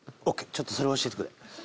ちょっとそれを教えてくれ。